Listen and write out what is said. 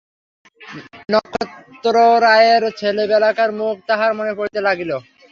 নক্ষত্ররায়ের ছেলেবেলাকার মুখ তাঁহার মনে পড়িতে লাগিল।